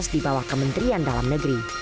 di bawah kementerian dalam negeri